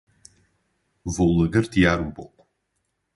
Vou lagartear um pouco